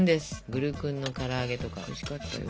グルクンの唐揚げとかおいしかったよ。